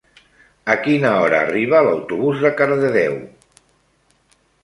A quina hora arriba l'autobús de Cardedeu?